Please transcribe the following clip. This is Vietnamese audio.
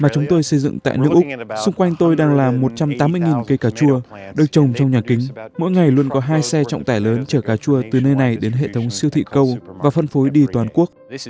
chúng tôi xây dựng tại nước úc xung quanh tôi đang làm một trăm tám mươi cây cà chua được trồng trong nhà kính mỗi ngày luôn có hai xe trọng tải lớn chở cà chua từ nơi này đến hệ thống siêu thị cầu và phân phối đi toàn quốc